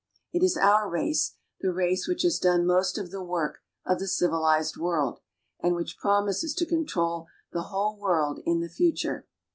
It is our race, the race which has done most of the work of the civilized world, and which promises to control the whole world in the future.